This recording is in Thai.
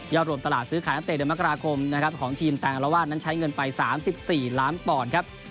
ย่อรวมตลาดซื้อขายนักเตะเดมกราคมของทีมต่างอลวาสนั้นใช้เงินไป๓๔ล้านปอลครับ